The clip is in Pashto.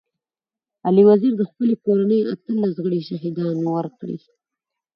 علي وزير د خپلي کورنۍ اتلس غړي شهيدان ورکړي.